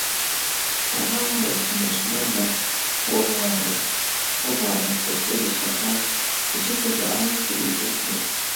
هغه وویل چې ماشومان راوغواړه ترڅو د شکر دعا وکړو